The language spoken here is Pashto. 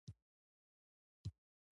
هغه د چنګېزي مغولو د یرغل مخه ونیوله.